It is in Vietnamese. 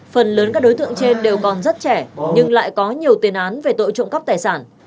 phần lớn các đối tượng trên đều còn rất trẻ nhưng lại có nhiều tiền án về tội trộm cắp tài sản